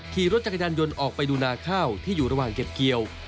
ขี่รถจักรยานยนต์ออกไปดูนาข้าวที่อยู่ระหว่างเก็บเกี่ยว